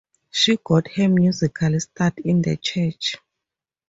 She got her musical start in the church.